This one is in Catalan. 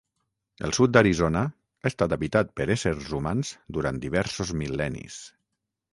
El sud d'Arizona ha estat habitat per éssers humans durant diversos mil·lennis.